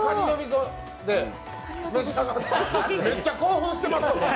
めっちゃ興奮してます。